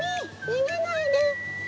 逃げないで。